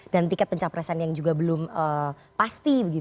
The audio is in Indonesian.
dan tiket pencapresan yang juga belum pasti